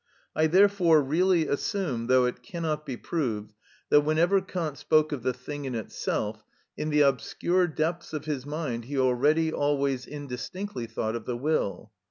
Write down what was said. I therefore really assume, though it cannot be proved, that whenever Kant spoke of the thing in itself, in the obscure depths of his mind he already always indistinctly thought of the will.